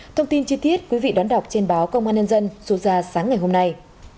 thông tin chi tiết quý vị đón đọc trên báo công an nhân dân số ra sáng ngày hôm nay